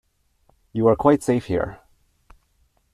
You are quite safe here.